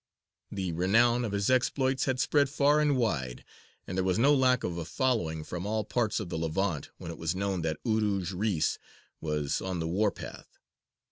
The renown of his exploits had spread far and wide, and there was no lack of a following from all parts of the Levant when it was known that Urūj Reïs was on the war path.